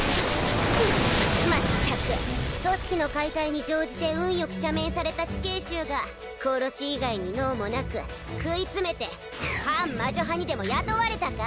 まったく組織の解体に乗じて運よく赦免された死刑囚が殺し以外に能もなく食い詰めて反魔女派にでも雇われたか？